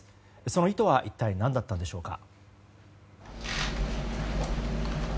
その意図は一体、何だったのでしょうか。